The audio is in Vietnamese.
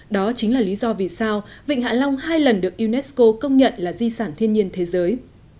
đó chính là lý do vì sao vịnh hạ long hai lần được unesco công nhận là di sản thiên nhiên thế giới